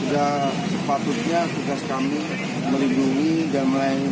dan sepatutnya tugas kami melindungi dan melayani